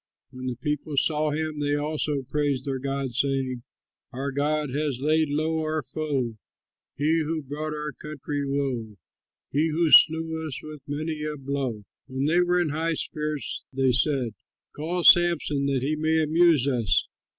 When the people saw him, they also praised their god, saying: "Our god has laid low our foe, He who brought our country woe, He who slew us with many a blow." When they were in high spirits, they said, "Call Samson that he may amuse us."